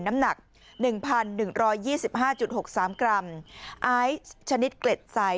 น้ำหนักหนึ่งพันหนึ่งร้อยยี่สิบห้าจุดหกสามกรัมอ้ายชนิดเกล็ดใส